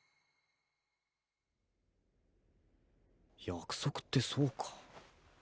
約束ってそうか。